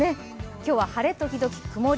今日は晴れ時々曇り。